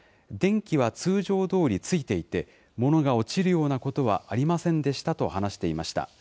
電気は通常どおりついていて、ものが落ちるようなことはありませんでしたと話していました。